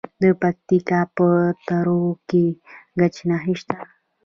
د پکتیکا په تروو کې د ګچ نښې شته.